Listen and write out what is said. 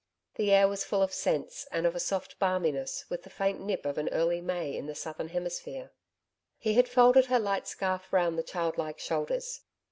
The air was full of scents and of a soft balminess, with the faint nip of an early May in the Southern hemisphere. He had folded her light scarf round the child like shoulders.